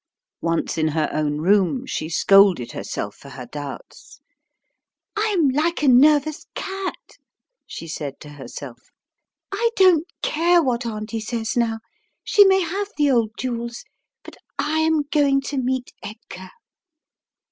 Once in her own room, she scolded herself for her doubts. "I am like a nervous cat!" she said to herself. "I don't care what! Auntie says now, she may have the old jewels but I am going to meet Edgar."